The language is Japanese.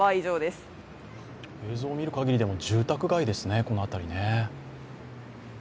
映像を見るかぎりでも住宅街ですね、この辺りね。